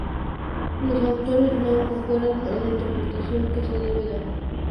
Los autores no concuerdan en la interpretación que se debe dar a estas afirmaciones.